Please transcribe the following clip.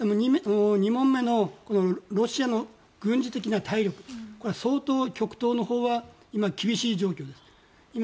２問目の、ロシアの軍事的な体力相当、極東のほうは今、厳しい状況です。